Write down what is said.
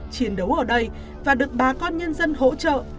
chiến đấu ở đây và được bà con nhân dân hỗ trợ